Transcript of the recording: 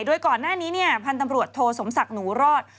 โดยก่อนหน้านี้พันธ์ตำรวจโทสมศักดิ์หนูรอด